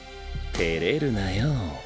てれるなよ。